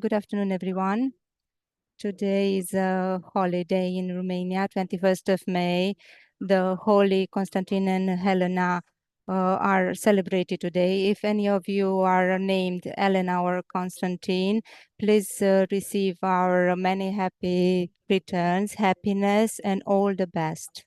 Good afternoon, everyone. Today is a holiday in Romania, 21st of May. The Holy Constantine and Helena are celebrated today. If any of you are named Elena or Constantine, please receive our many happy returns, happiness, and all the best.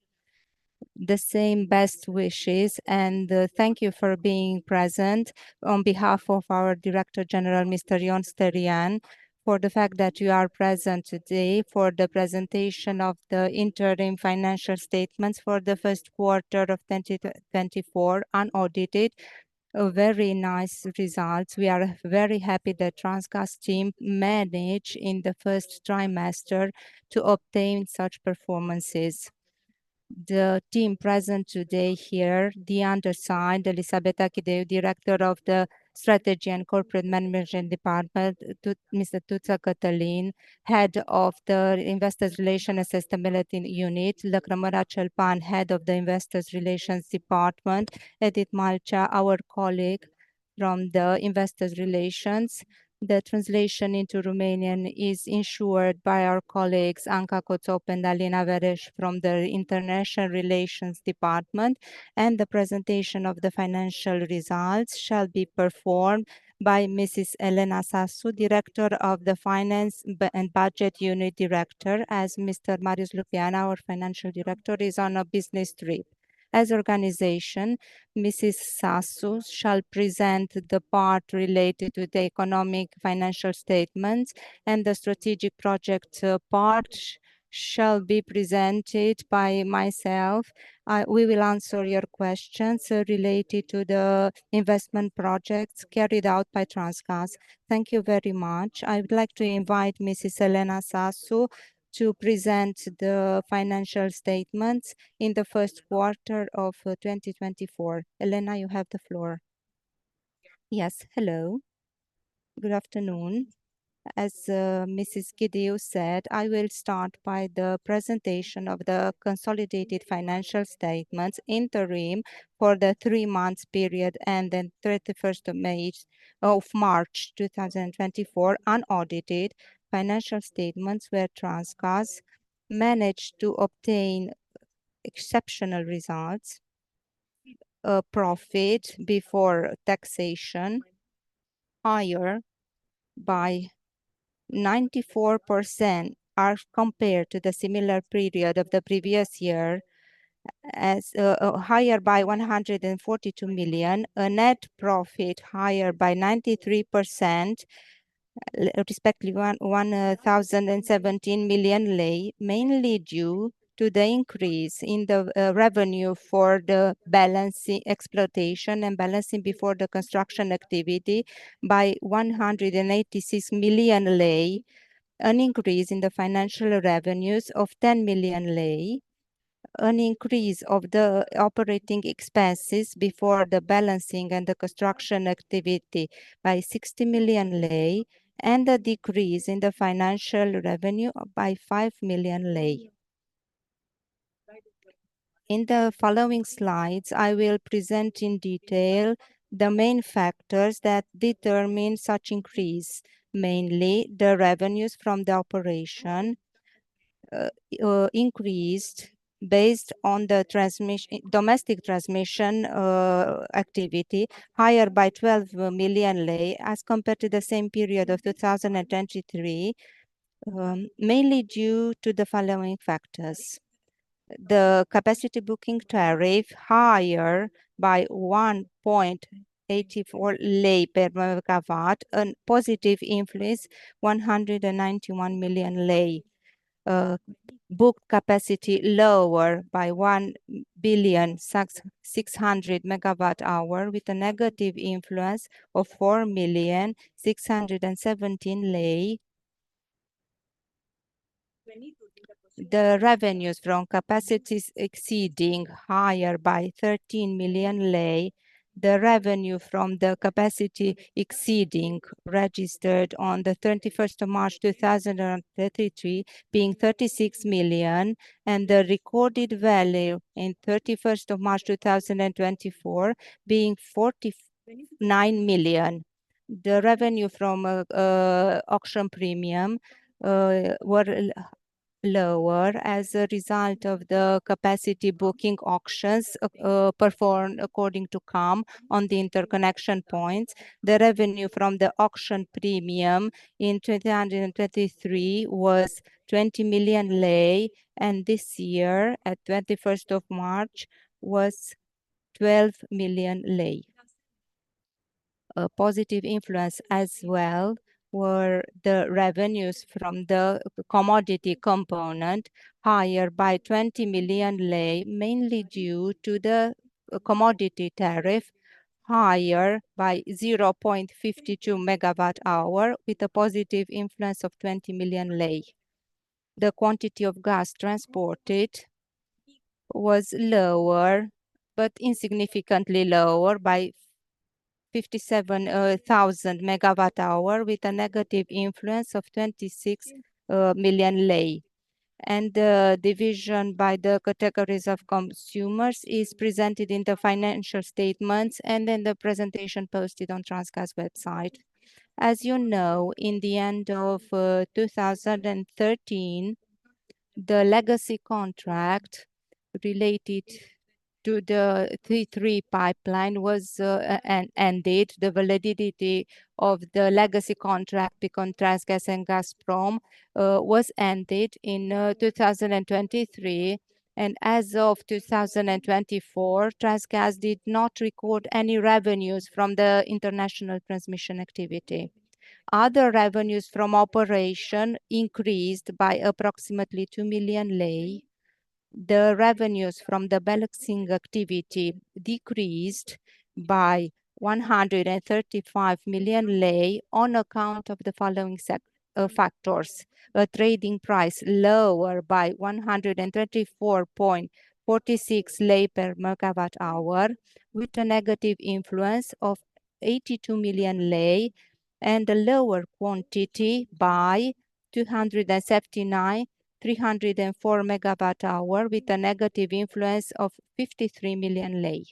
The same best wishes, and thank you for being present on behalf of our Director General, Mr. Ion Sterian, for the fact that you are present today for the presentation of the interim financial statements for the first quarter of 2024, unaudited. A very nice results. We are very happy that Transgaz team managed in the first trimester to obtain such performances. The team present today here, the undersigned, Elisabeta Ghidiu, Director of the Strategy and Corporate Management Department. Cătălin Tuță, Head of the Investors Relations and Sustainability Unit; Lăcrămioara Ciolpan, Head of the Investors Relations Department; Edith Malcea, our colleague from the Investors Relations. The translation into Romanian is ensured by our colleagues, Anca Cojoc and Alina Vereș, from the International Relations Department, and the presentation of the financial results shall be performed by Mrs. Elena Sasu, Director of the Finance and Budget Unit Director, as Mr. Marius Lupean, our Financial Director, is on a business trip. As organization, Mrs. Sasu shall present the part related to the economic financial statements, and the strategic project part shall be presented by myself. We will answer your questions related to the investment projects carried out by Transgaz. Thank you very much. I would like to invite Mrs. Elena Sasu to present the financial statements in the first quarter of 2024. Elena, you have the floor. Yes. Hello. Good afternoon. As Mrs. Ghidiu said, I will start by the presentation of the consolidated financial statements interim for the three months period, and then 31st of May... of March 2024, unaudited financial statements, where Transgaz managed to obtain exceptional results. Profit before taxation, higher by 94% as compared to the similar period of the previous year, as higher by RON 142 million, a net profit higher by 93%, respectively, RON 1,017 million lei, mainly due to the increase in the revenue for the balancing exploitation and balancing before the construction activity by RON 186 million lei, an increase in the financial revenues of RON 10 million lei, an increase of the operating expenses before the balancing and the construction activity by RON 60 million lei, and the decrease in the financial revenue by RON 5 million lei. In the following slides, I will present in detail the main factors that determine such increase. Mainly, the revenues from the operation increased based on the transmission, domestic transmission activity, higher by RON 12 million as compared to the same period of 2023, mainly due to the following factors: The capacity booking tariff, higher by RON 1.84 per MW, a positive influence, RON 191 million. Booked capacity, lower by 1,600,000 MWh, with a negative influence of RON 4.617 million. The revenues from capacities exceeding, higher by RON 13 million, the revenue from the capacity exceeding registered on the 31st of March 2023 being RON 36 million, and the recorded value in 31st of March 2024 being RON 49 million. The revenue from auction premium were lower as a result of the capacity booking auctions performed according to the common interconnection points. The revenue from the auction premium in 2023 was RON 20 million, and this year, as of March 21, was RON 12 million. A positive influence as well were the revenues from the commodity component, higher by RON 20 million, mainly due to the commodity tariff, higher by 0.52 MWh, with a positive influence of RON 20 million. The quantity of gas transported was lower, but insignificantly lower by 57,000 MWh, with a negative influence of RON 26 million... and the division by the categories of consumers is presented in the financial statements and in the presentation posted on Transgaz website. As you know, at the end of 2013, the legacy contract related to the Transit 3 pipeline was ended. The validity of the legacy contract between Transgaz and Gazprom was ended in 2023, and as of 2024, Transgaz did not record any revenues from the international transmission activity. Other revenues from operation increased by approximately RON 2 million. The revenues from the balancing activity decreased by RON 135 million on account of the following such factors: a trading price lower by RON 134.46 per MWh, with a negative influence of RON 82 million and a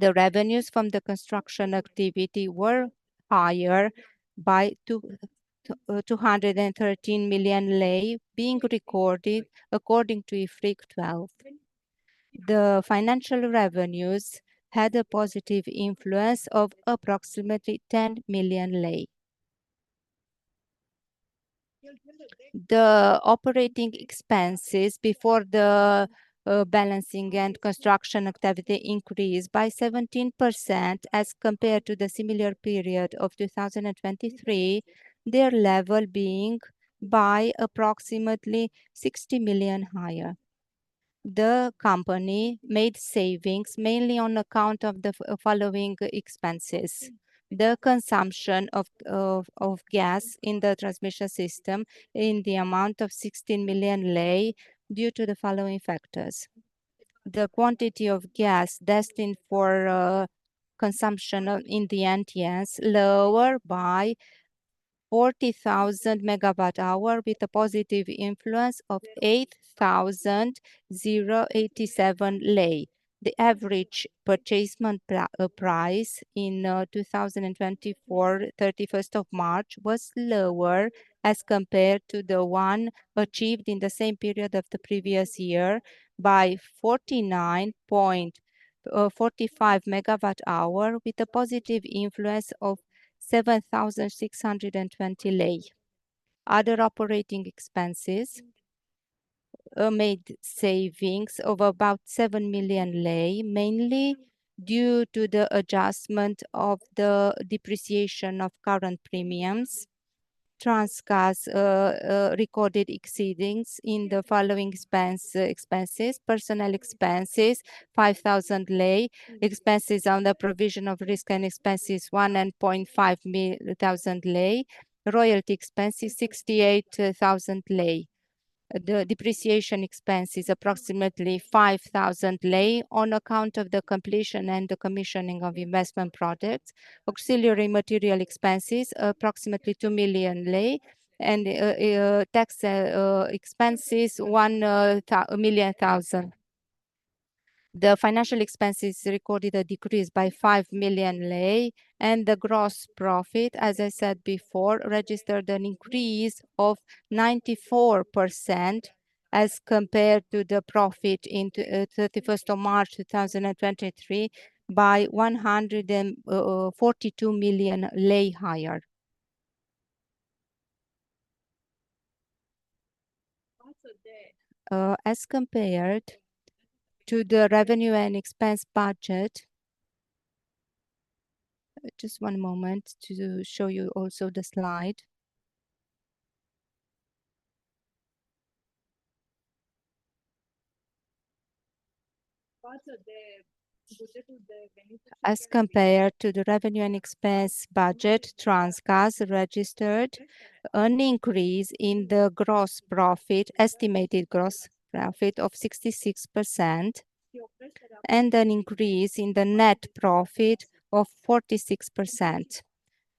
lower quantity by 279,304 MWh, with a negative influence of RON 53 million. The revenues from the construction activity were higher by RON 213 million, being recorded according to IFRIC 12. The financial revenues had a positive influence of approximately RON 10 million. The operating expenses before the balancing and construction activity increased by 17% as compared to the similar period of 2023, their level being by approximately RON 60 million higher. The company made savings mainly on account of the following expenses. The consumption of gas in the transmission system in the amount of RON 16 million due to the following factors: The quantity of gas destined for consumption in the NTS, lower by 40,000 MWh, with a positive influence of RON 8,087. The average purchase price in 2024, March 31, was lower as compared to the one achieved in the same period of the previous year by 49.45 MWh, with a positive influence of RON 7,620. Other operating expenses made savings of about RON 7 million, mainly due to the adjustment of the depreciation of current premiums. Transgaz recorded exceedings in the following expenses: personnel expenses, RON 5,000; expenses on the provision of risk and expenses, RON 1,500 thousand lei; royalty expenses, RON 68,000. The depreciation expenses, approximately RON 5,000, on account of the completion and the commissioning of investment projects. Auxiliary material expenses, approximately RON 2 million, and tax expenses, one million. The financial expenses recorded a decrease by RON 5 million, and the gross profit, as I said before, registered an increase of 94% as compared to the profit in 31st of March 2023, by 142 million RON higher. As compared to the revenue and expense budget... Just one moment to show you also the slide. As compared to the revenue and expense budget, Transgaz registered an increase in the gross profit, estimated gross profit of 66%, and an increase in the net profit of 46%.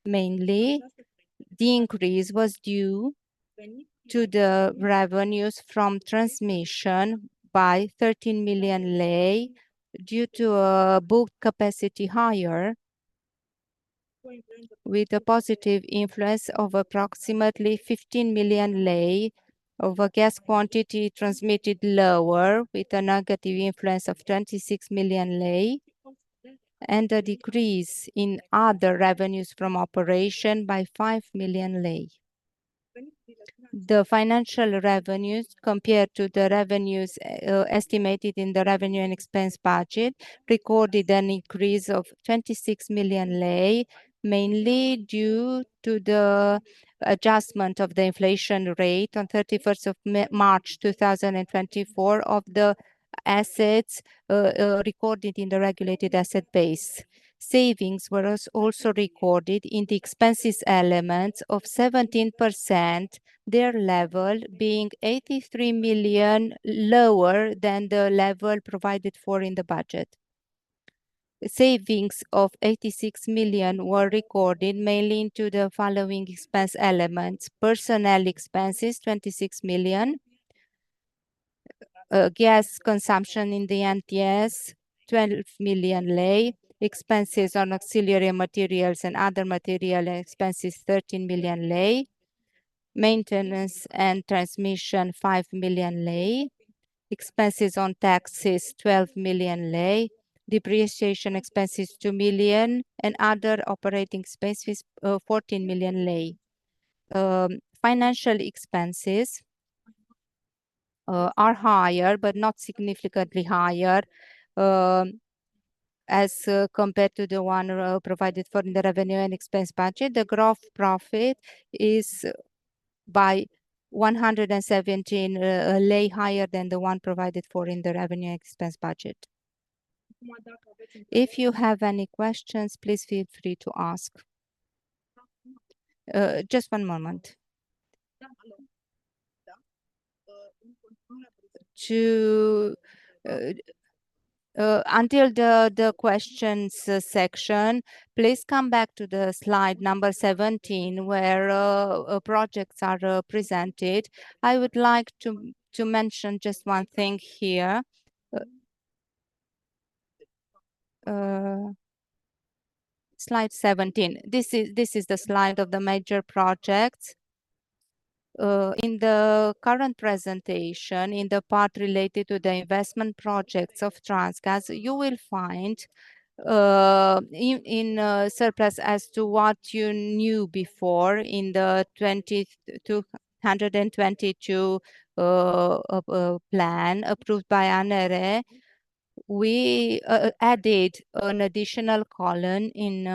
Mainly, the increase was due to the revenues from transmission by RON 13 million due to a booked capacity higher, with a positive influence of approximately RON 15 million, of a gas quantity transmitted lower, with a negative influence of RON 26 million, and a decrease in other revenues from operation by RON 5 million. The financial revenues, compared to the revenues estimated in the revenue and expense budget, recorded an increase of RON 26 million, mainly due to the adjustment of the inflation rate on 31st of March 2024 of the assets recorded in the regulated asset base. Savings were also recorded in the expenses element of 17%, their level being RON 83 million lower than the level provided for in the budget. Savings of RON 86 million were recorded, mainly into the following expense elements: personnel expenses, RON 26 million, gas consumption in the NTS, RON 12 million lei, expenses on auxiliary materials and other material expenses, RON 13 million lei, maintenance and transmission, RON 5 million lei, expenses on taxes, RON 12 million lei, depreciation expenses, RON 2 million, and other operating expenses, RON 14 million lei. Financial expenses are higher, but not significantly higher, as compared to the one provided for in the revenue and expense budget. The gross profit is by RON 117 lei higher than the one provided for in the revenue expense budget. If you have any questions, please feel free to ask. Just one moment. Until the questions section, please come back to the slide number 17, where projects are presented. I would like to mention just one thing here. Slide 17, this is the slide of the major projects. In the current presentation, in the part related to the investment projects of Transgaz, you will find in surplus as to what you knew before in the 2022 plan approved by ANRE. We added an additional column in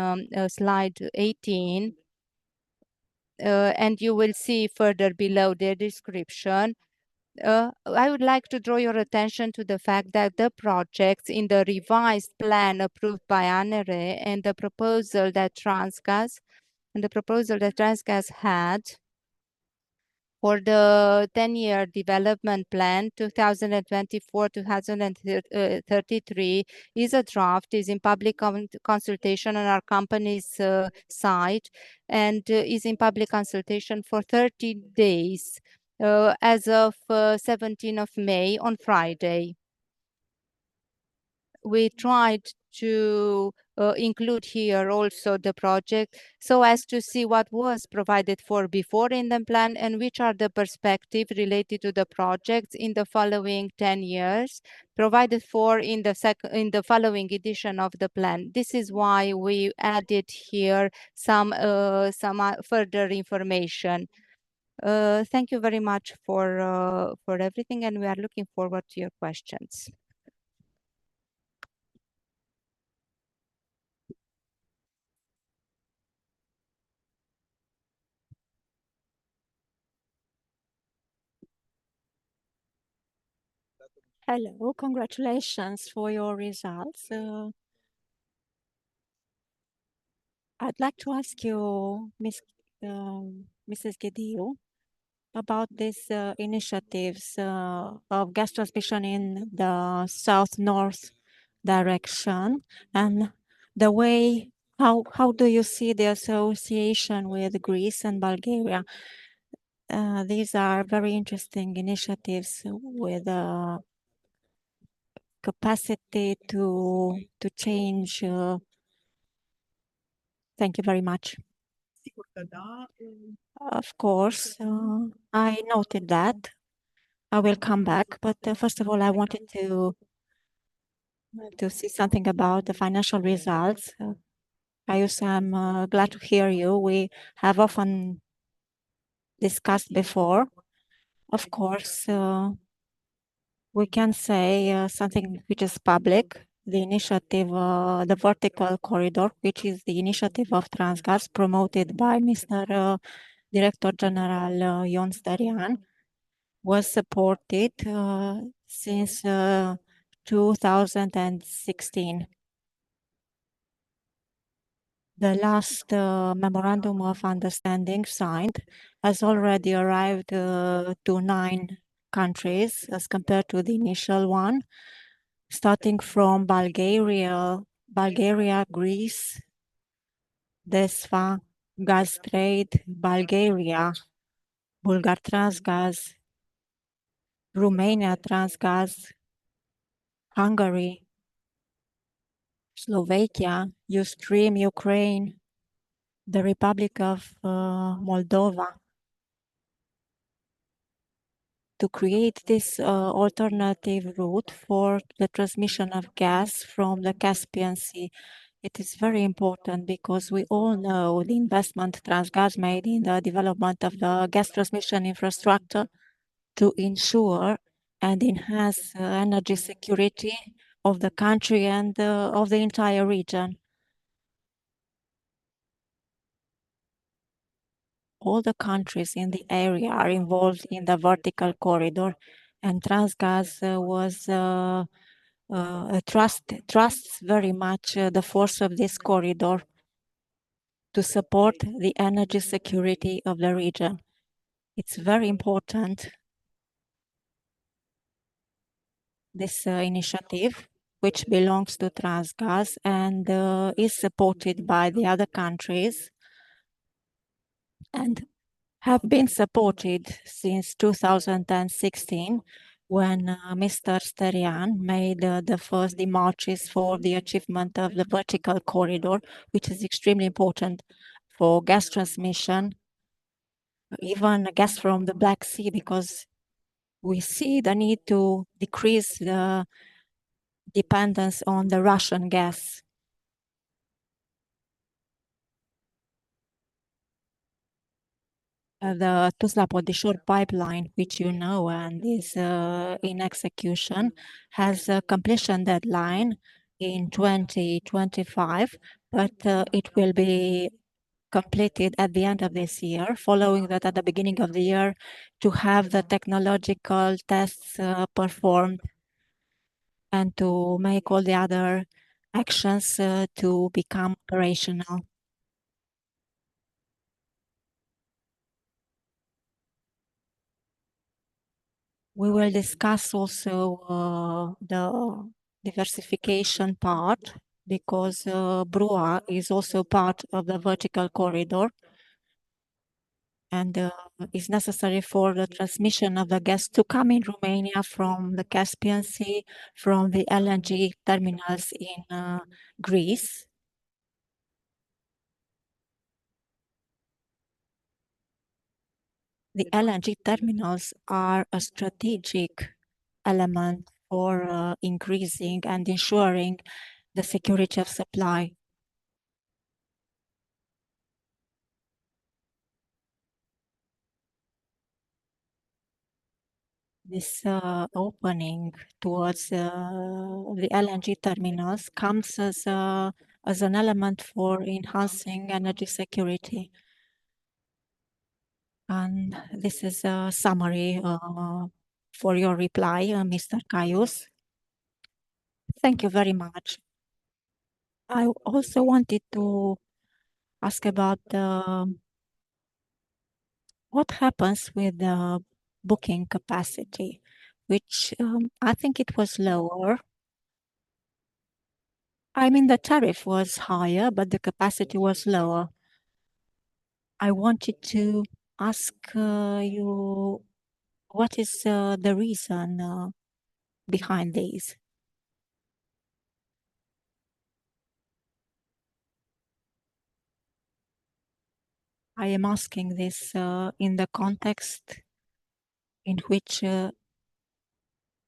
slide 18, and you will see further below the description. I would like to draw your attention to the fact that the projects in the revised plan approved by ANRE and the proposal that Transgaz, and the proposal that Transgaz had for the ten-year development plan, 2024-2033, is a draft, is in public consultation on our company's site, and is in public consultation for 30 days, as of May 17, on Friday. We tried to include here also the project, so as to see what was provided for before in the plan and which are the perspective related to the projects in the following ten years, provided for in the following edition of the plan. This is why we added here some further information. Thank you very much for everything, and we are looking forward to your questions. Hello. Congratulations for your results. I'd like to ask you, Miss, Mrs. Ghidiu, about this initiatives of gas transmission in the south-north direction, and the way... How do you see the association with Greece and Bulgaria? These are very interesting initiatives with capacity to change... Thank you very much. Of course, I noted that. I will come back, but, first of all, I wanted to say something about the financial results. I also am glad to hear you. We have often discussed before. Of course, we can say something which is public. The initiative, the Vertical Corridor, which is the initiative of Transgaz, promoted by Mr. Director General Ion Sterian, was supported since 2016. The last memorandum of understanding signed has already arrived to nine countries as compared to the initial one, starting from Bulgaria, Bulgaria, Greece, DESFA, Gastrade, Bulgaria, Bulgartransgaz, Romania Transgaz, Hungary, Slovakia, Eustream, Ukraine, the Republic of Moldova. To create this alternative route for the transmission of gas from the Caspian Sea, it is very important because we all know the investment Transgaz made in the development of the gas transmission infrastructure to ensure and enhance energy security of the country and of the entire region. All the countries in the area are involved in the Vertical Corridor, and Transgaz trusts very much the force of this corridor to support the energy security of the region. It's very important, this initiative, which belongs to Transgaz, and is supported by the other countries, and have been supported since 2016, when Mr. Sterian made the first demarches for the achievement of the Vertical Corridor, which is extremely important for gas transmission. Even gas from the Black Sea, because we see the need to decrease the dependence on the Russian gas. The Tuzla offshore pipeline, which you know, and is in execution, has a completion deadline in 2025, but it will be completed at the end of this year. Following that, at the beginning of the year, to have the technological tests performed and to make all the other actions to become operational. We will discuss also the diversification part, because BRUA is also part of the Vertical Corridor, and is necessary for the transmission of the gas to come in Romania from the Caspian Sea, from the LNG terminals in Greece. The LNG terminals are a strategic element for increasing and ensuring the security of supply. This opening towards the LNG terminals comes as an element for enhancing energy security. This is a summary for your reply, Mr. Caius. Thank you very much. I also wanted to ask about what happens with the booking capacity, which I think it was lower. I mean, the tariff was higher, but the capacity was lower. I wanted to ask you what is the reason behind this? I am asking this in the context in which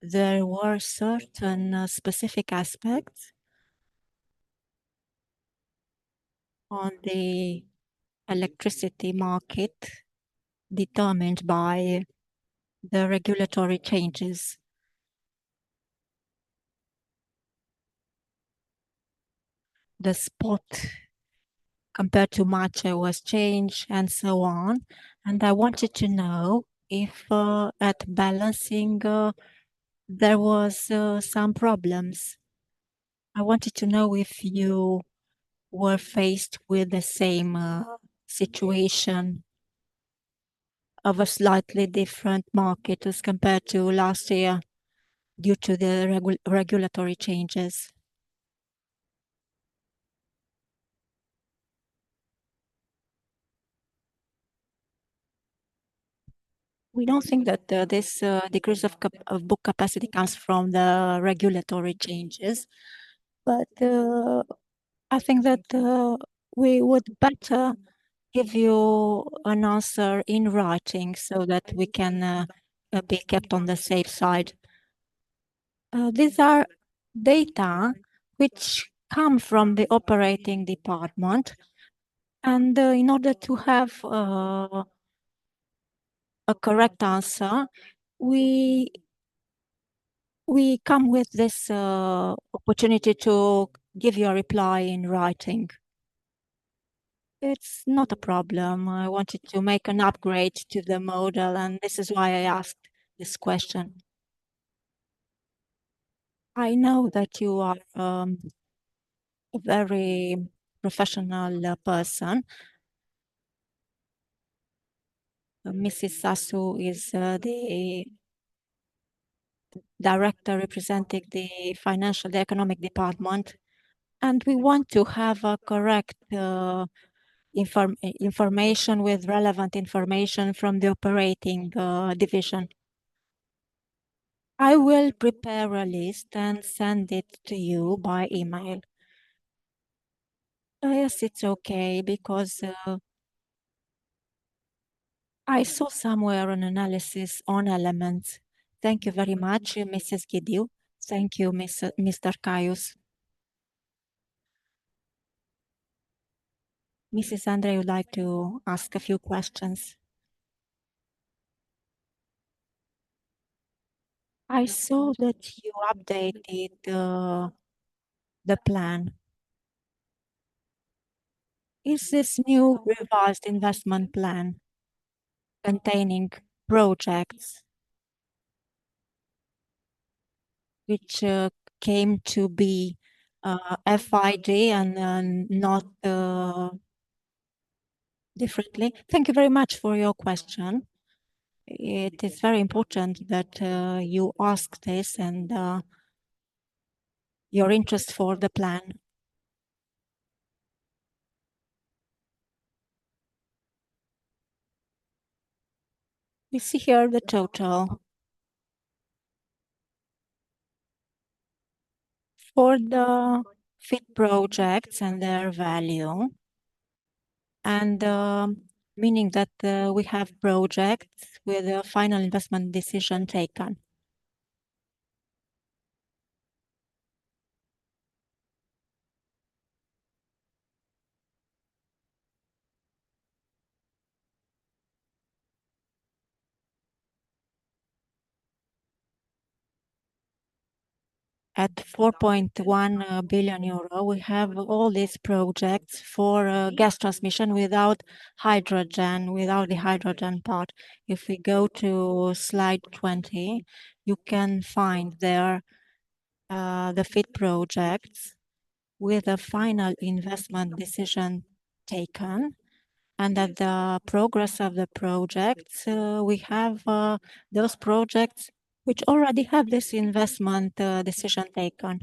there were certain specific aspects on the electricity market determined by the regulatory changes. The spot compared to March, it was changed, and so on, and I wanted to know if at balancing there was some problems. I wanted to know if you were faced with the same situation of a slightly different market as compared to last year due to the regulatory changes. We don't think that this decrease of book capacity comes from the regulatory changes, but I think that we would better give you an answer in writing so that we can be kept on the safe side. These are data which come from the operating department, and in order to have a correct answer, we come with this opportunity to give you a reply in writing. It's not a problem. I wanted to make an upgrade to the model, and this is why I asked this question. I know that you are a very professional person. Mrs. Sasu is the director representing the financial... the economic department, and we want to have a correct information with relevant information from the operating division. I will prepare a list and send it to you by email. Yes, it's okay, because I saw somewhere an analysis on elements. Thank you very much, Mrs. Ghidiu. Thank you, Mr. Caius. Mrs. Andrei would like to ask a few questions. I saw that you updated the plan. Is this new revised investment plan containing projects which came to be FID and not differently. Thank you very much for your question. It is very important that you ask this, and your interest for the plan. You see here the total for the FID projects and their value, and meaning that we have projects with a final investment decision taken. At 4.1 billion euro, we have all these projects for gas transmission without hydrogen, without the hydrogen part. If we go to slide 20, you can find there the FID projects with a final investment decision taken, and that the progress of the projects, we have those projects which already have this investment decision taken.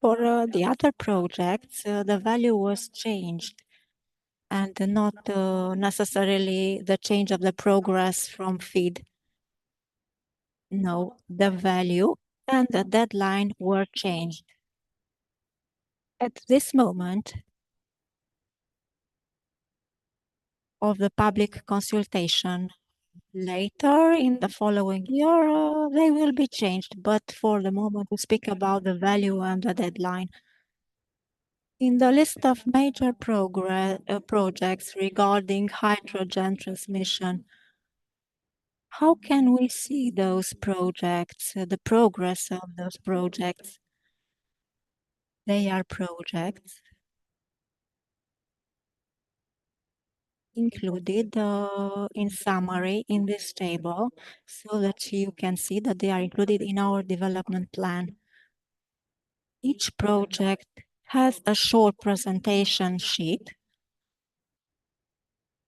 For the other projects, the value was changed, and not necessarily the change of the progress from FID. No, the value and the deadline were changed. At this moment of the public consultation, later in the following year, they will be changed, but for the moment, we speak about the value and the deadline. In the list of major projects regarding hydrogen transmission, how can we see those projects, the progress of those projects? They are projects included, in summary, in this table, so that you can see that they are included in our development plan. Each project has a short presentation sheet.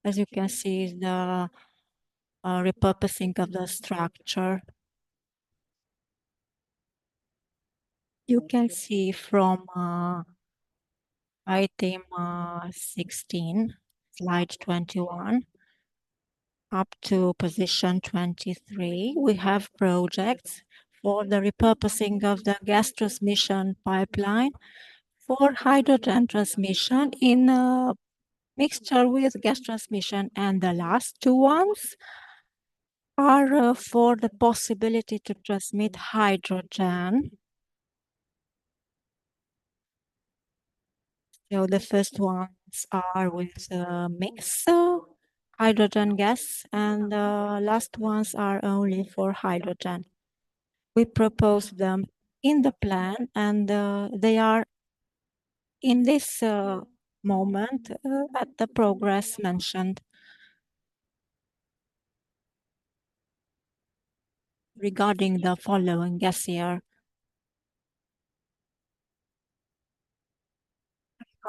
As you can see, the repurposing of the structure. You can see from item 16, slide 21, up to position 23, we have projects for the repurposing of the gas transmission pipeline for hydrogen transmission in a mixture with gas transmission, and the last two ones are for the possibility to transmit hydrogen. So the first ones are with mix hydrogen gas, and last ones are only for hydrogen. We propose them in the plan, and they are, in this moment, at the progress mentioned regarding the following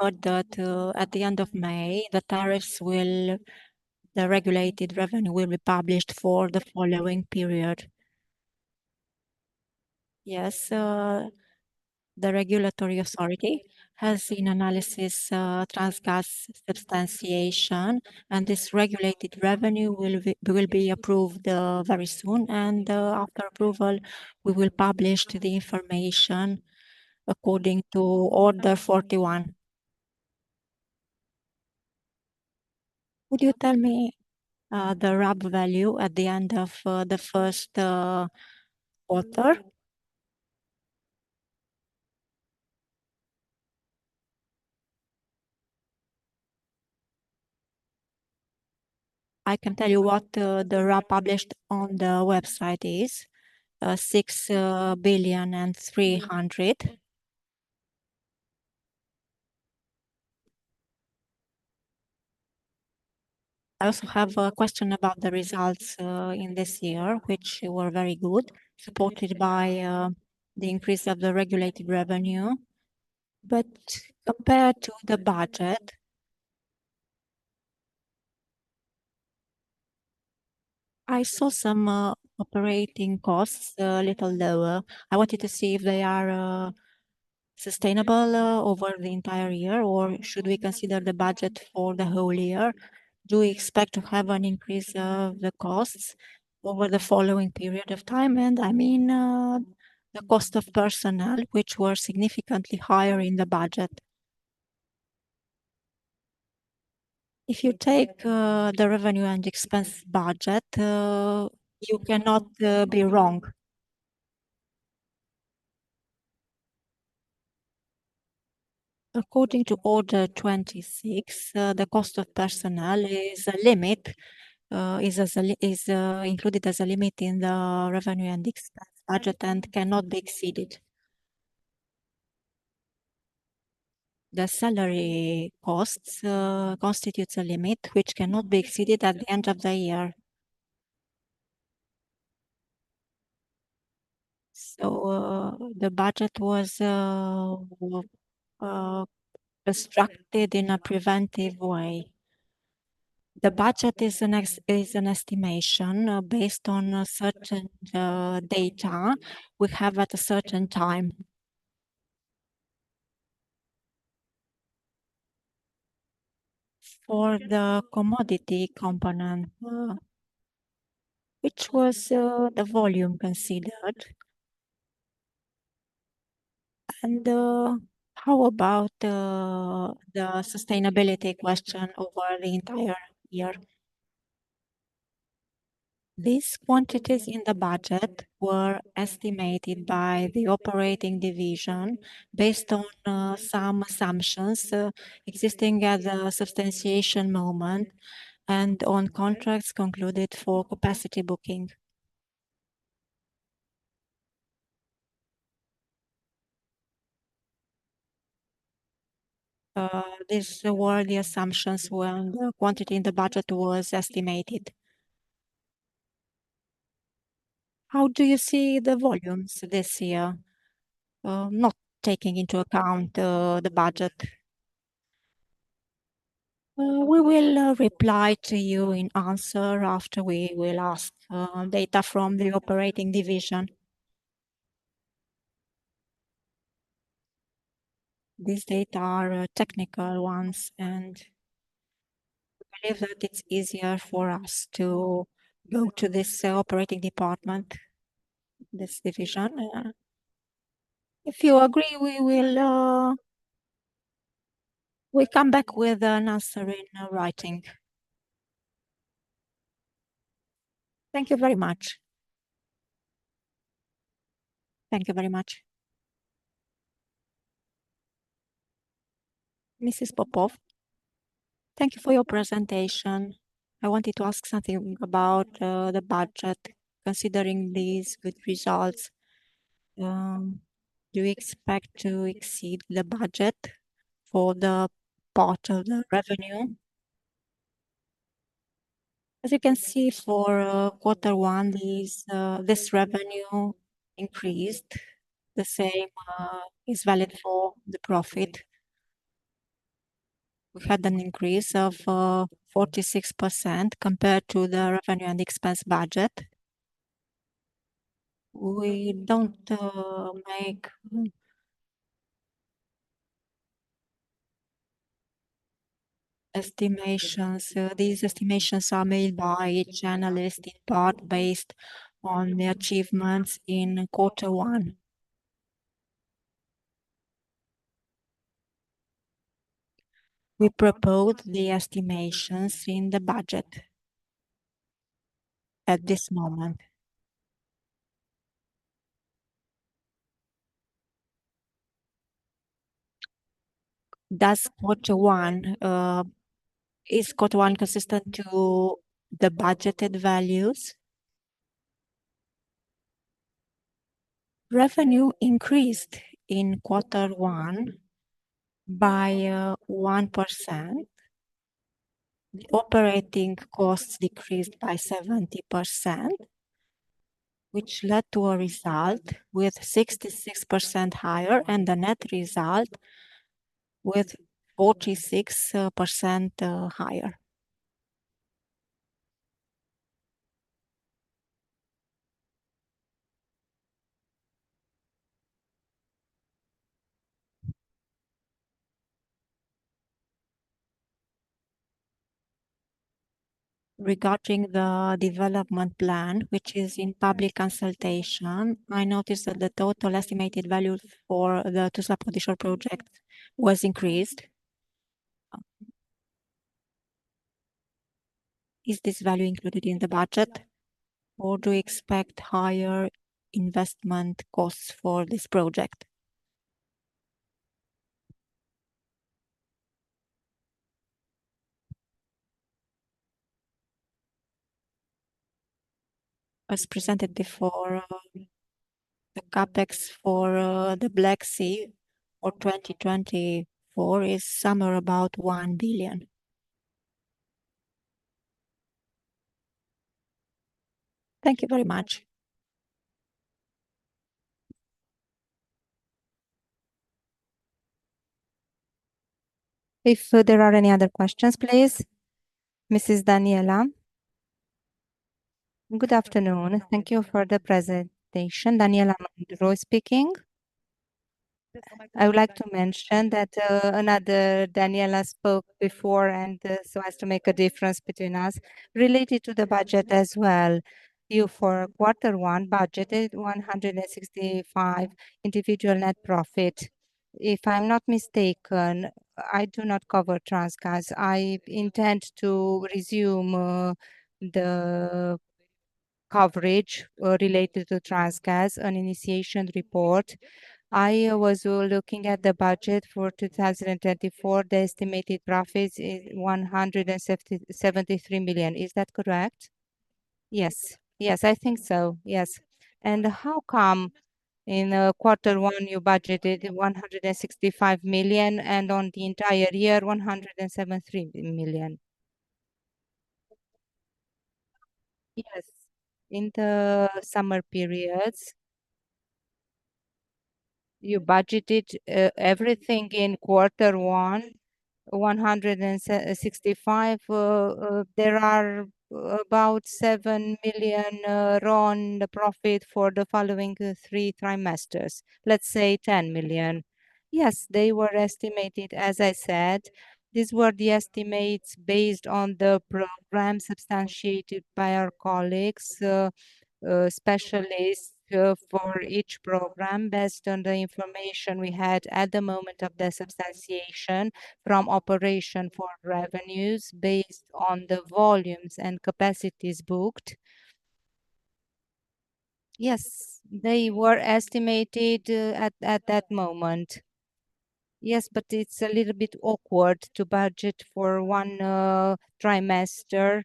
gas year. Or the, to... At the end of May, the tariffs will the regulated revenue will be published for the following period. Yes, the regulatory authority has seen analysis, Transgaz substantiation, and this regulated revenue will be, will be approved, very soon, and, after approval, we will publish the information according to Order 41. Would you tell me the RAB value at the end of the first quarter? I can tell you what the RAB published on the website is, RON 6.3 billion. I also have a question about the results in this year, which were very good, supported by the increase of the regulated revenue. But compared to the budget, I saw some operating costs a little lower. I wanted to see if they are sustainable over the entire year, or should we consider the budget for the whole year? Do we expect to have an increase of the costs over the following period of time? And I mean the cost of personnel, which were significantly higher in the budget. If you take the revenue and expense budget, you cannot be wrong. According to Order 26, the cost of personnel is a limit included as a limit in the revenue and expense budget and cannot be exceeded. The salary costs constitutes a limit which cannot be exceeded at the end of the year. So, the budget was constructed in a preventive way. The budget is an estimation based on certain data we have at a certain time. For the commodity component, which was the volume considered? And, how about the sustainability question over the entire year? These quantities in the budget were estimated by the operating division based on some assumptions existing at the substantiation moment, and on contracts concluded for capacity booking. These were the assumptions when the quantity in the budget was estimated. How do you see the volumes this year, not taking into account the budget? We will reply to you in answer after we will ask data from the operating division. These data are technical ones, and we believe that it's easier for us to go to this operating department, this division. If you agree, we will... We'll come back with an answer in writing. Thank you very much. Thank you very much. Mrs. Popov? Thank you for your presentation. I wanted to ask something about the budget. Considering these good results, do you expect to exceed the budget for the part of the revenue? As you can see, for quarter one, this revenue increased. The same is valid for the profit. We had an increase of 46% compared to the revenue and expense budget. We don't make estimations. These estimations are made by journalists, in part based on the achievements in quarter one. We proposed the estimations in the budget at this moment. Does quarter one... Is quarter one consistent to the budgeted values? Revenue increased in quarter one by 1%. The operating costs decreased by 70%, which led to a result with 66% higher, and a net result with 46% higher. Regarding the development plan, which is in public consultation, I noticed that the total estimated value for the Tuzla offshore project was increased. Is this value included in the budget, or do you expect higher investment costs for this project? As presented before, the CapEx for the Black Sea for 2024 is somewhere about RON 1 billion. Thank you very much. If there are any other questions, please. Mrs. Daniela? Good afternoon, and thank you for the presentation. Daniela Mândru speaking. I would like to mention that, another Daniela spoke before, and, so as to make a difference between us, related to the budget as well, you for quarter one budgeted RON 165 million net profit. If I'm not mistaken, I do not cover Transgaz. I intend to resume, the coverage, related to Transgaz, an initiation report. I was looking at the budget for 2024. The estimated profits is RON 173 million. Is that correct? Yes. Yes, I think so. Yes. How come in quarter one you budgeted RON 165 million, and on the entire year, RON 173 million? Yes, in the summer periods, you budgeted everything in quarter one, 165. There are about RON 7 million RON profit for the following three trimesters. Let's say RON 10 million. Yes, they were estimated, as I said. These were the estimates based on the program substantiated by our colleagues, specialists, for each program, based on the information we had at the moment of the substantiation from operation for revenues, based on the volumes and capacities booked. Yes, they were estimated at that moment. Yes, but it's a little bit awkward to budget for one trimester,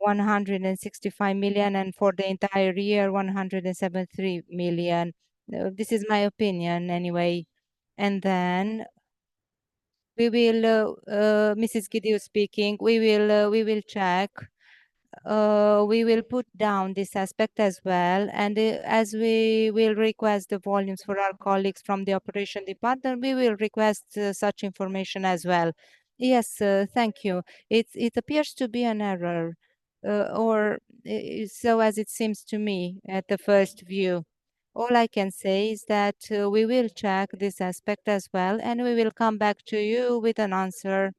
RON 165 million, and for the entire year, RON 173 million. This is my opinion anyway. And then we will... Mrs. Ghidiu speaking. We will check. We will put down this aspect as well, and as we will request the volumes for our colleagues from the operation department, we will request such information as well. Yes, thank you. It appears to be an error, or so as it seems to me at the first view. All I can say is that we will check this aspect as well, and we will come back to you with an answer.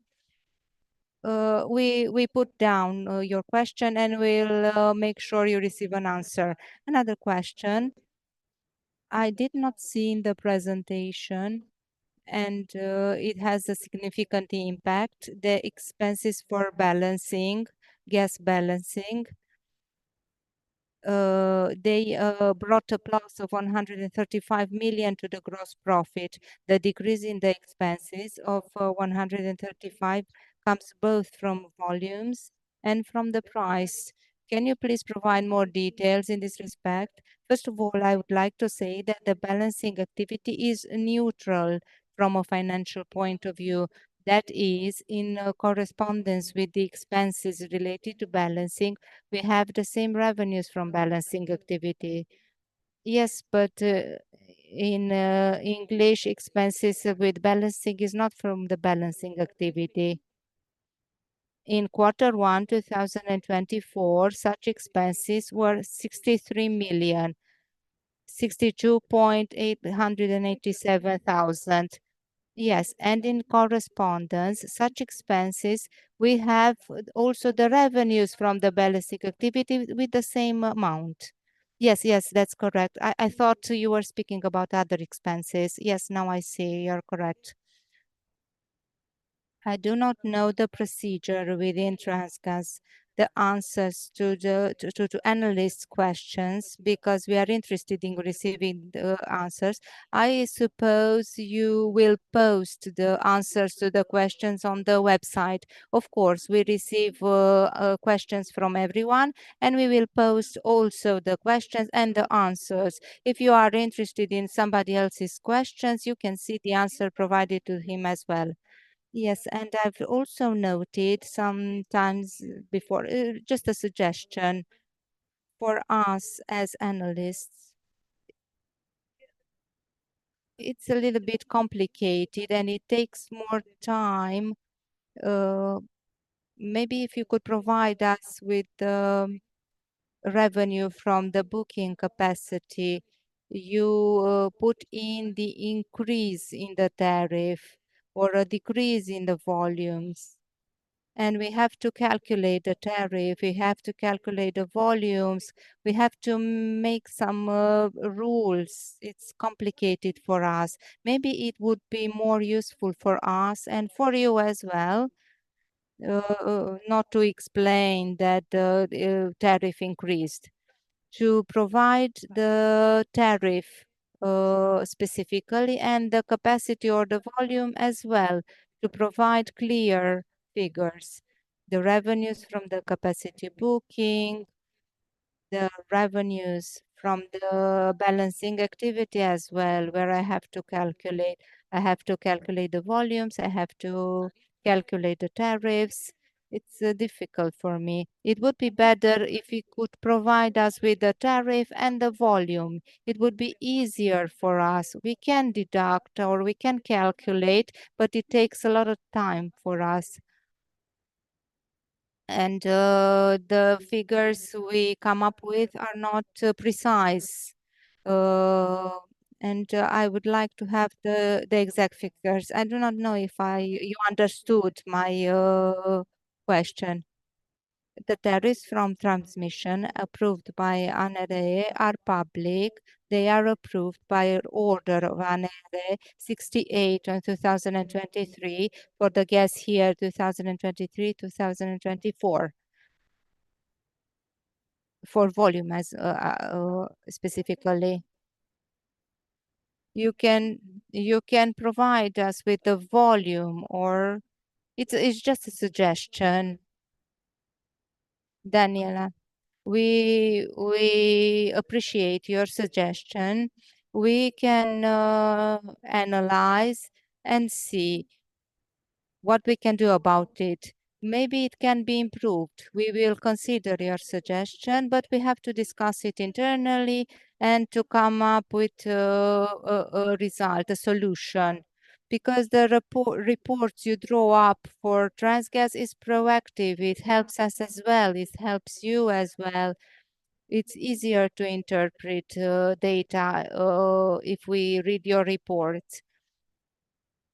We put down your question, and we'll make sure you receive an answer. Another question: I did not see in the presentation, and it has a significant impact, the expenses for balancing, gas balancing. They brought a plus of RON 135 million to the gross profit. The decrease in the expenses of RON 135 million comes both from volumes and from the price. Can you please provide more details in this respect? First of all, I would like to say that the balancing activity is neutral from a financial point of view. That is, in correspondence with the expenses related to balancing, we have the same revenues from balancing activity. Yes, but in English, expenses with balancing is not from the balancing activity. In quarter one, 2024, such expenses were RON 63,062,887. Yes, and in correspondence, such expenses, we have also the revenues from the balancing activity with the same amount. Yes, yes, that's correct. I, I thought you were speaking about other expenses. Yes, now I see. You're correct. I do not know the procedure within Transgaz, the answers to the analysts' questions, because we are interested in receiving the answers. I suppose you will post the answers to the questions on the website. Of course, we receive questions from everyone, and we will post also the questions and the answers. If you are interested in somebody else's questions, you can see the answer provided to him as well. Yes, and I've also noted sometimes before, just a suggestion for us as analysts. It's a little bit complicated, and it takes more time. Maybe if you could provide us with the revenue from the booking capacity, you put in the increase in the tariff or a decrease in the volumes, and we have to calculate the tariff, we have to calculate the volumes, we have to make some rules. It's complicated for us. Maybe it would be more useful for us and for you as well, not to explain that the tariff increased, to provide the tariff specifically, and the capacity or the volume as well, to provide clear figures: the revenues from the capacity booking, the revenues from the balancing activity as well, where I have to calculate... I have to calculate the volumes, I have to calculate the tariffs. It's difficult for me. It would be better if you could provide us with the tariff and the volume. It would be easier for us. We can deduct or we can calculate, but it takes a lot of time for us, and the figures we come up with are not precise. I would like to have the exact figures. I do not know if you understood my question. The tariffs from transmission approved by ANRE are public. They are approved by an order of ANRE, 68/2023, for the gas year 2023-2024. For volume as specifically. You can provide us with the volume or. It's just a suggestion. Daniela, we appreciate your suggestion. We can analyze and see what we can do about it. Maybe it can be improved. We will consider your suggestion, but we have to discuss it internally and to come up with a result, a solution. Because the reports you draw up for Transgaz is proactive. It helps us as well, it helps you as well. It's easier to interpret data if we read your reports.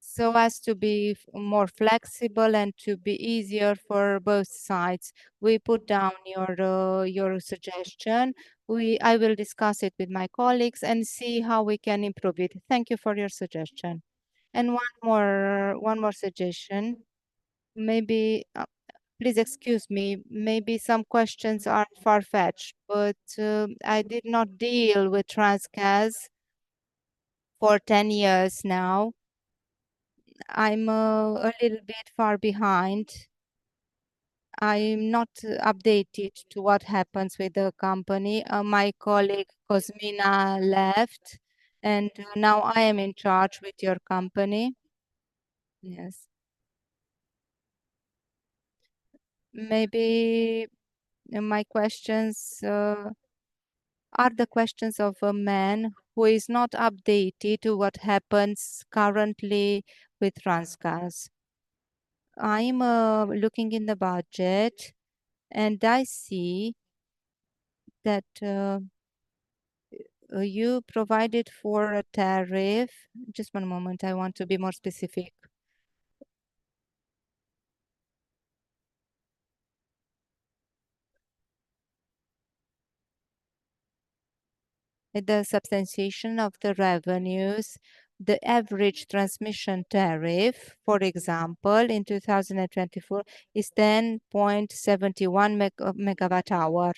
So as to be more flexible and to be easier for both sides, we put down your suggestion. I will discuss it with my colleagues and see how we can improve it. Thank you for your suggestion. And one more suggestion, maybe... Please excuse me, maybe some questions are far-fetched, but I did not deal with Transgaz for 10 years now. I'm a little bit far behind. I'm not updated to what happens with the company. My colleague, Cosmina, left, and now I am in charge with your company. Yes. Maybe my questions are the questions of a man who is not updated to what happens currently with Transgaz. I'm looking in the budget, and I see that you provided for a tariff. Just one moment. I want to be more specific. At the substantiation of the revenues, the average transmission tariff, for example, in 2024, is 10.71 MWh.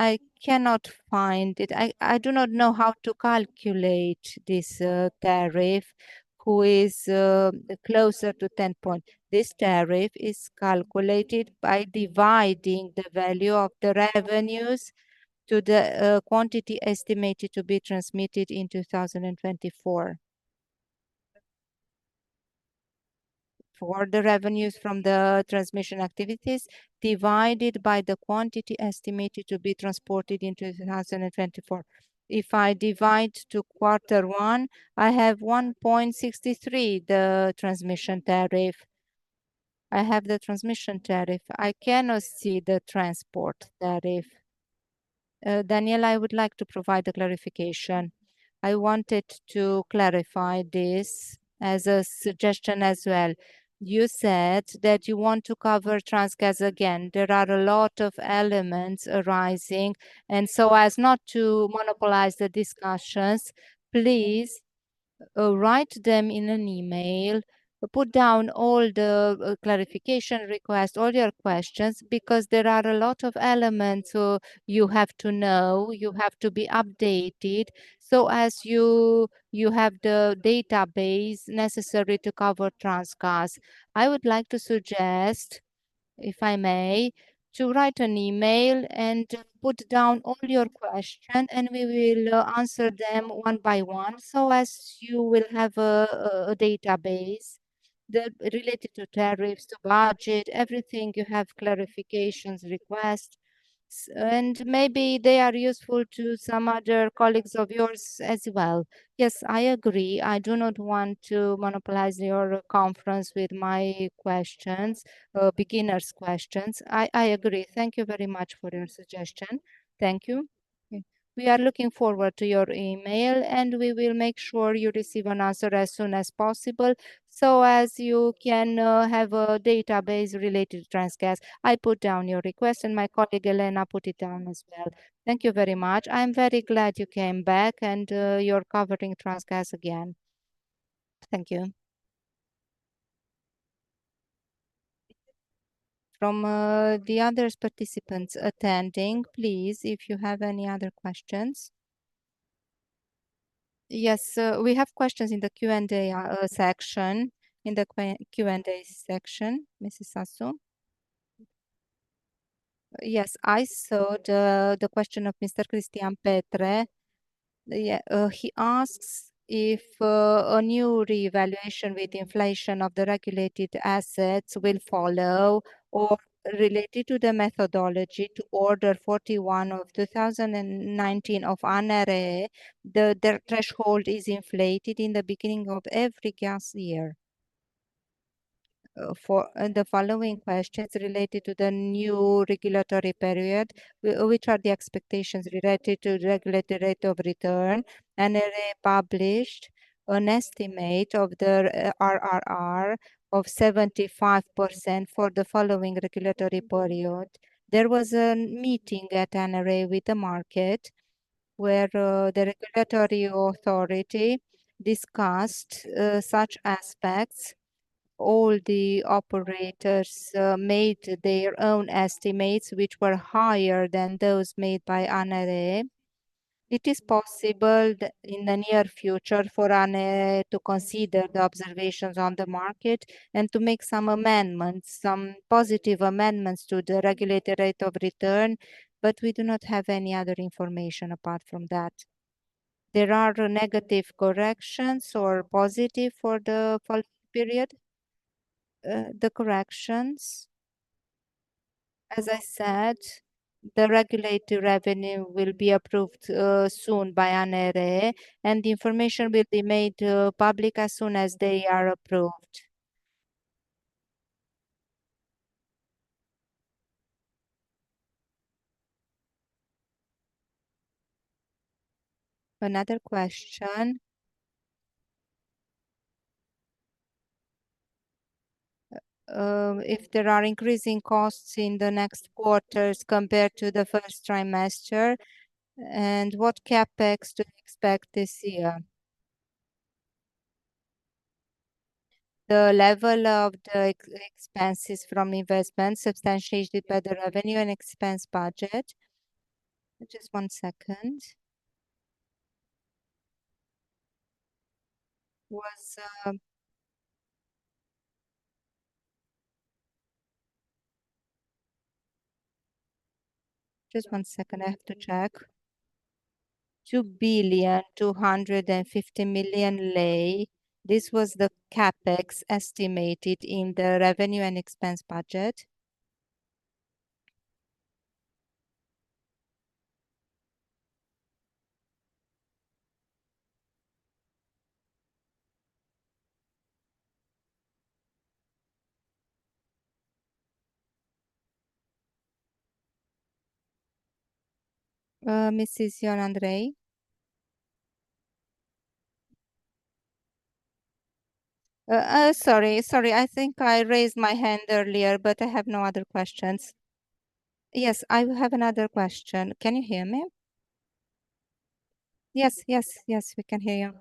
I cannot find it. I do not know how to calculate this tariff, who is closer to 10 point. This tariff is calculated by dividing the value of the revenues to the quantity estimated to be transmitted in 2024. For the revenues from the transmission activities divided by the quantity estimated to be transported in 2024. If I divide to quarter one, I have RON 1.63, the transmission tariff. I have the transmission tariff. I cannot see the transport tariff. Daniela, I would like to provide a clarification. I wanted to clarify this as a suggestion as well. You said that you want to cover Transgaz again. There are a lot of elements arising, and so as not to monopolize the discussions, please, write them in an email. Put down all the clarification requests, all your questions, because there are a lot of elements, you have to know, you have to be updated, so as you, you have the database necessary to cover Transgaz. I would like to suggest, if I may, to write an email and put down all your questions, and we will answer them one by one, so as you will have a database that related to tariffs, to budget, everything you have clarifications requests, and maybe they are useful to some other colleagues of yours as well. Yes, I agree. I do not want to monopolize your conference with my questions, beginners questions. I agree. Thank you very much for your suggestion. Thank you. We are looking forward to your email, and we will make sure you receive an answer as soon as possible, so as you can have a database related to Transgaz. I put down your request, and my colleague, Elena, put it down as well. Thank you very much. I'm very glad you came back, and you're covering Transgaz again. Thank you. From the other participants attending, please, if you have any other questions? Yes, we have questions in the Q&A section. In the Q&A section, Mrs. Sasu. Yes, I saw the question of Mr. Cristian Petre. Yeah, he asks if a new reevaluation with inflation of the regulated assets will follow, or related to the methodology to Order 41 of 2019 of ANRE, the threshold is inflated in the beginning of every calendar year. And the following questions related to the new regulatory period, which are the expectations related to regulatory rate of return? ANRE published an estimate of the RRR of 75% for the following regulatory period. There was a meeting at ANRE with the market, where the regulatory authority discussed such aspects. All the operators made their own estimates, which were higher than those made by ANRE.... It is possible that in the near future for ANRE to consider the observations on the market and to make some amendments, some positive amendments to the regulated rate of return, but we do not have any other information apart from that. There are negative corrections or positive for the full period. The corrections, as I said, the regulated revenue will be approved soon by ANRE, and the information will be made public as soon as they are approved. Another question. If there are increasing costs in the next quarters compared to the first trimester, and what CapEx do you expect this year? The level of the expenses from investment substantiated by the revenue and expense budget... Just one second. Just one second, I have to check. RON 2.25 billion, this was the CapEx estimated in the revenue and expense budget. Mrs. Ioana Andrei? Sorry. I think I raised my hand earlier, but I have no other questions. Yes, I have another question. Can you hear me? Yes, yes, yes, we can hear you.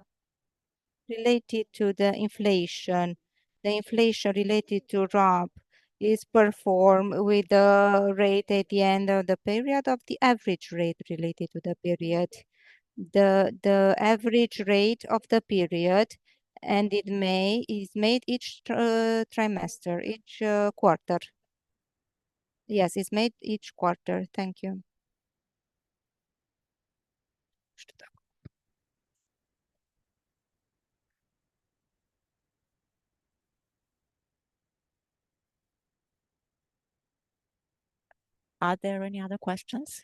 Related to the inflation. The inflation related to RAB is performed with the rate at the end of the period of the average rate related to the period. The average rate of the period and in May is made each trimester, each quarter. Yes, it's made each quarter. Thank you. Are there any other questions?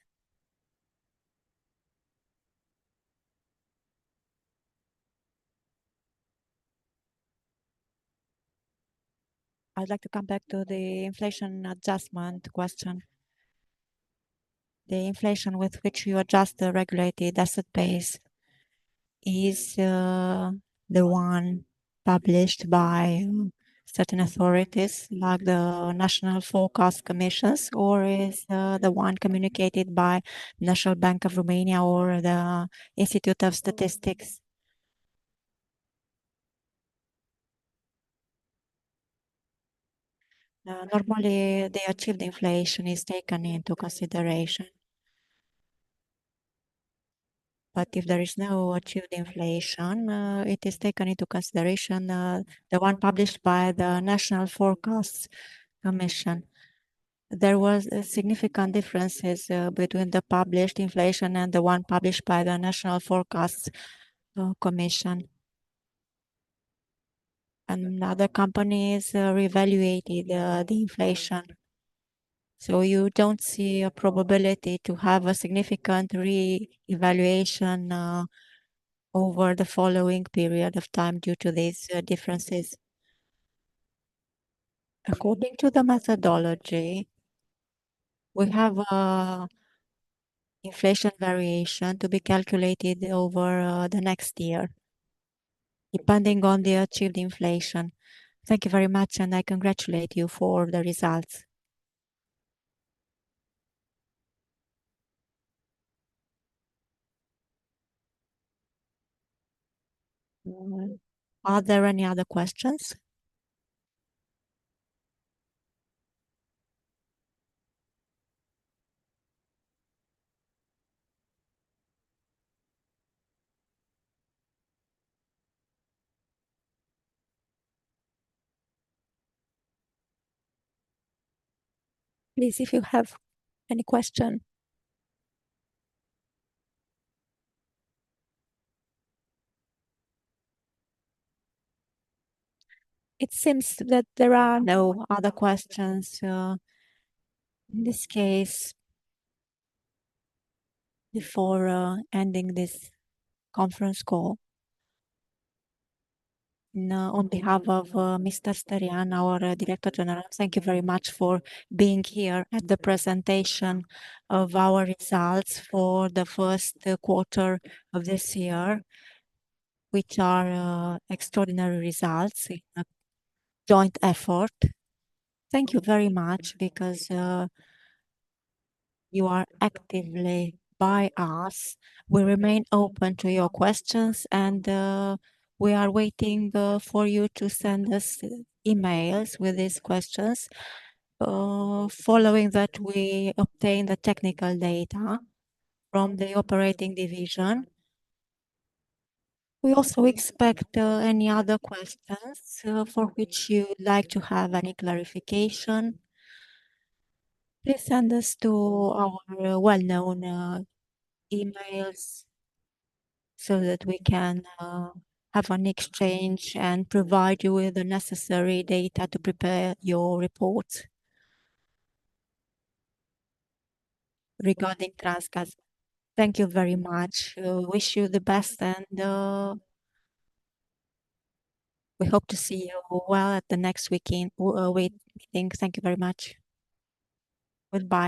I'd like to come back to the inflation adjustment question. The inflation with which you adjust the regulated asset base, is, the one published by certain authorities, like the National Forecast Commission, or is, the one communicated by National Bank of Romania or the Institute of Statistics? Normally, the achieved inflation is taken into consideration. But if there is no achieved inflation, it is taken into consideration, the one published by the National Forecast Commission. There was significant differences between the published inflation and the one published by the National Forecast Commission, and other companies reevaluated the inflation. So you don't see a probability to have a significant re-evaluation over the following period of time due to these differences? According to the methodology, we have a inflation variation to be calculated over the next year, depending on the achieved inflation. Thank you very much, and I congratulate you for the results. Are there any other questions? Please, if you have any question. It seems that there are no other questions. So in this case, before ending this conference call, now, on behalf of Mr. Sterian, our Director General, thank you very much for being here at the presentation of our results for the first quarter of this year, which are extraordinary results, a joint effort. Thank you very much because you are actively by us. We remain open to your questions and we are waiting for you to send us emails with these questions. Following that, we obtain the technical data from the operating division. We also expect any other questions for which you would like to have any clarification. Please send us to our well-known emails so that we can have an exchange and provide you with the necessary data to prepare your report regarding Transgaz. Thank you very much. We wish you the best, and we hope to see you well at the next weekend web meeting. Thank you very much. Goodbye.